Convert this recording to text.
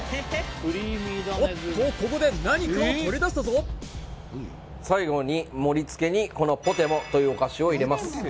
おっとここで何かを取り出したぞ最後に盛り付けにこのポテモというお菓子を入れます